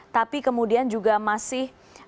tapi kemudian juga masih